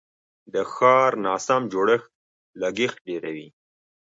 د ښار ناسم جوړښت لګښت ډیروي.